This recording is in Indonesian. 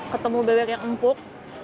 ketemu bebek yang empuk